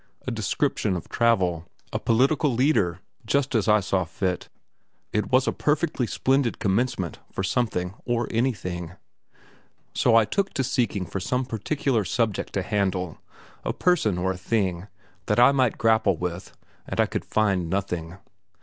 A description of travel, a political leader, just as I thought fit it was a perfectly splendid commencement for something or anything. So I took to seeking for some particular subject to handle, a person or a thing, that I might grapple with, and I could find nothing.